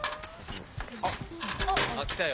あっきたよ。